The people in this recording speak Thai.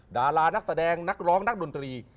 ดารานักแสดงนักร้องนักดนตรี